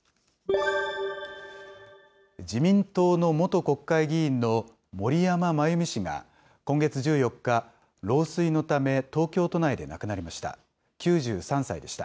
自民党の元国会議員の森山眞弓氏が、今月１４日、老衰のため、東京都内で亡くなりました。